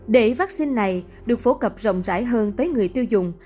để vắc xin này được phổ cập rộng rãi hơn tới người tiêu dùng